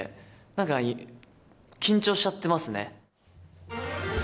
なんか緊張しちゃってますね。